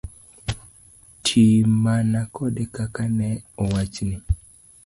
Ti mana kode kaka ne owachni.